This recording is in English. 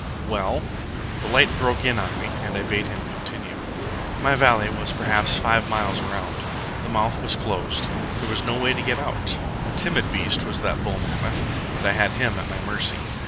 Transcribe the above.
"Well?" The light broke in on me, and I bade him continue. "My valley was perhaps five miles around. The mouth was closed. There was no way to get out. A timid beast was that bull mammoth, and I had him at my mercy.